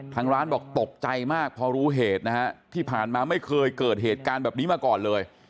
ทางร้านบอกตกใจมากพอรู้เหตุนะฮะที่ผ่านมาไม่เคยเกิดเหตุการณ์แบบนี้มาก่อนเลย